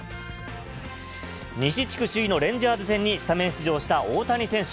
西地区首位のレンジャーズ戦にスタメン出場した大谷選手。